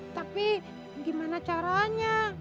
tapi gimana caranya